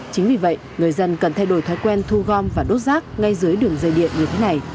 chính vì vậy người dân cần thay đổi thói quen thu gom và đốt rác ngay dưới đường dây điện như thế này